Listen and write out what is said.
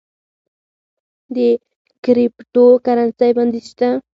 د کریپټو کرنسی بندیز شته؟